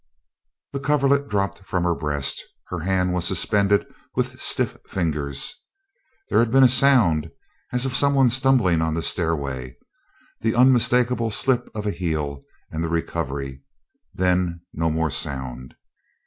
The coverlet dropped from her breast; her hand was suspended with stiff fingers. There had been a sound as of someone stumbling on the stairway, the unmistakable slip of a heel and the recovery; then no more sound.